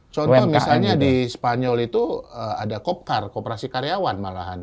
contoh misalnya di spanyol itu ada kopkar kooperasi karyawan malahan